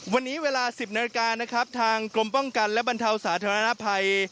วันนี้เวลา๑๐นาฬิกานะครับทางกรมป้องกันและบรรเทาสาธารณภัย